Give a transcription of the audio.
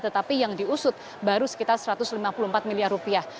tetapi yang diusut baru sekitar satu ratus lima puluh empat miliar rupiah